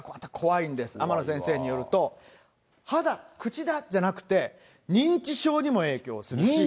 天野先生によると、歯だ、口だじゃなくて認知症にも影響するし。